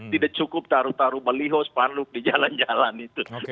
tidak cukup taruh taruh baliho spanduk di jalan jalan itu